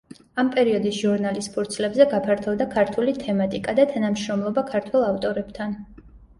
ამ პერიოდის ჟურნალის ფურცლებზე გაფართოვდა ქართული თემატიკა და თანამშრომლობა ქართველ ავტორებთან.